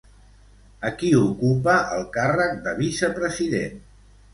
I qui ocupa el càrrec de vicepresident?